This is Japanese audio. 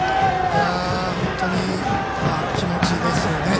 本当に気持ちですよね。